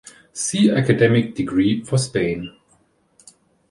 See Academic Degree for Spain.